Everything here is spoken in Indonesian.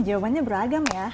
jawabannya beragam ya